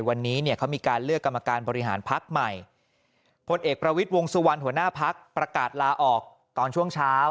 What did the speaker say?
วันนี้เนี่ยเขามีการเลือกกรรมการบริหารพักใหม่พลเอกประวิทย์วงสุวรรณหัวหน้าพักประกาศลาออกตอนช่วงเช้า